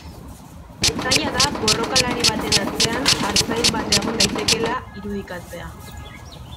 Zaila da borrokalari baten atzean artzain bat egon daitekeela irudikatzea.